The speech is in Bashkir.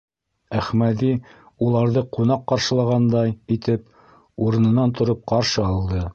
Әхмәҙи уларҙы ҡунаҡ ҡаршылағандай итеп, урынынан тороп ҡаршы алды.